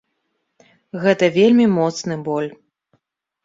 Гэта вельмі моцны боль.